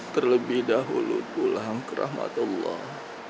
terlebih dahulu pulang ke rahmat allah